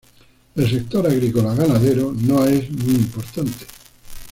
El sector agrícola-ganadero no es muy importante.